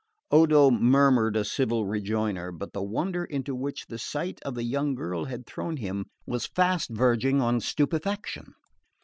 Odo murmured a civil rejoinder; but the wonder into which the sight of the young girl had thrown him was fast verging on stupefaction.